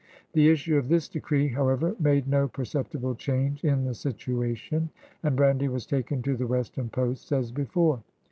The issue of this decree, how ever, made no perceptible change in the situation, and brandy was taJken to the western posts as before.